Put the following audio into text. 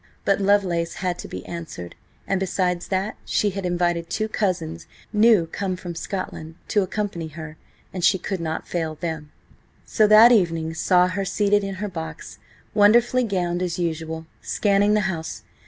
But Lovelace had to be answered, and besides that, she had invited two cousins, new come from Scotland, to accompany her, and she could not fail them. So that evening saw her seated in her box, wonderfully gowned as usual, scanning the house.